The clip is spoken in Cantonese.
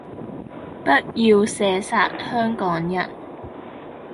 不要射殺香港人